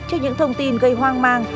cho những thông tin gây hoang mang